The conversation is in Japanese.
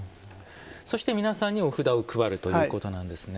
そして皆さんにお札を配るということなんですね。